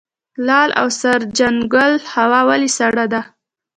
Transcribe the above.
لعل او سرجنګل هوا ولې سړه ده؟